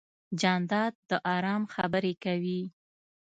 جانداد د ارام خبرې کوي.